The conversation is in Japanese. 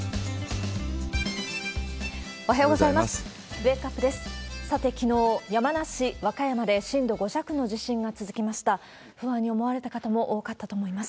おはようございます。